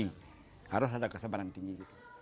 harus ada kesabaran tinggi